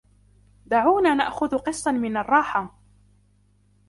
دعونا نأخذ قسطاً من الراحة.